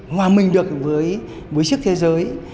hòa mình được với siếc thế giới